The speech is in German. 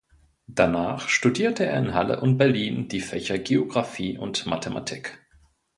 Danach studierte er in Halle und Berlin die Fächer Geographie und Mathematik.